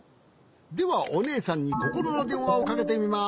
ではおねえさんにココロのでんわをかけてみます。